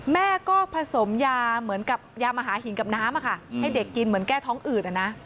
แม่ก็ผสมยาเหมือนกับยามหาหินกับน้ำให้เด็กกินเหมือนแก้ท้องอื่น